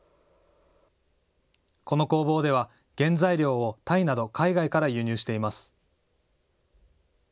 この工房では原材料をタイなど海外から輸入しています。